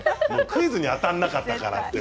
クイズに当たらなかったからって。